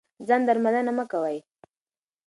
ځان درملنه مه کوئ.